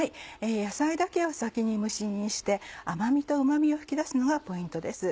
野菜だけを先に蒸し煮にして甘味とうま味を引き出すのがポイントです。